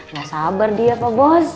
gak sabar dia pak bos